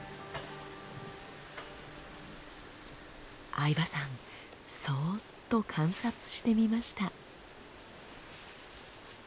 相葉さんそっと観察してみました。